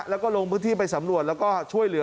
แล้วก็ลงพื้นที่ไปสำรวจแล้วก็ช่วยเหลือ